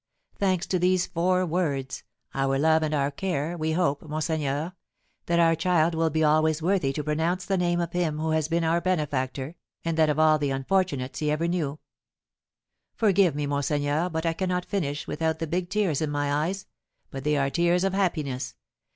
Thanks to these four words, our love and our care, we hope, monseigneur, that our child will be always worthy to pronounce the name of him who has been our benefactor, and that of all the unfortunates he ever knew Forgive me, monseigneur, but I cannot finish without the big tears in my eyes, but they are tears of happiness.